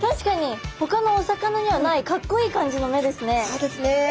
そうですね。